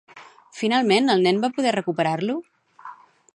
Finalment, el nen va poder recuperar-lo?